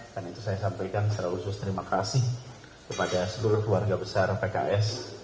dan itu saya sampaikan secara khusus terima kasih kepada seluruh keluarga besar pks